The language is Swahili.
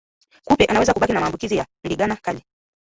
Kupe anaweza kubaki na maambukizi ya ndigana kali